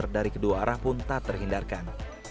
dari kedua arah pun tak terhindarkan